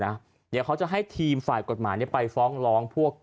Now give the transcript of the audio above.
เดี๋ยวเขาจะให้ทีมฝ่ายกฎหมายไปฟ้องร้องพวก